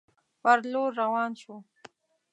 پر لور روان شو.